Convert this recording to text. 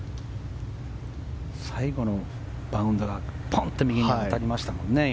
最後のバウンドがポンと右に当たりましたもんね。